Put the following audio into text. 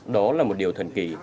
đó là một điều thần kỳ